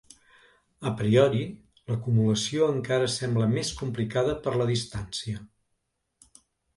A priori, l’acumulació encara sembla més complicada per la distància…